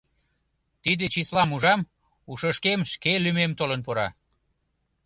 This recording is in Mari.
Тиде числам ужам — ушышкем шке лӱмем толын пура.